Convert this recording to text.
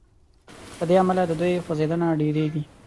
له دې امله د دوی خوځیدنه ډیریږي.